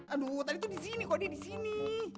aduh tadi tuh disini kok dia disini